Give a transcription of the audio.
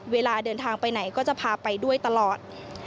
เวลาเดินทางไปไหนก็จะพาไปด้วยตลอด